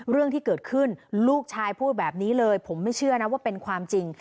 เรื่องที่เกิดขึ้นลูกชายพูดแบบนี้เลยผมไม่เชื่อนะว่าเป็นความจริง